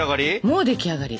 もうでき上がり。